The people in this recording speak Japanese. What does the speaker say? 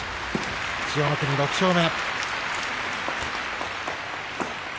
千代の国、６勝目。